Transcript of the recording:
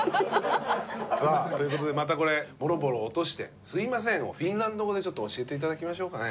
さあという事でまたこれ「ボロボロ落としてすみません」をフィンランド語でちょっと教えて頂きましょうかね。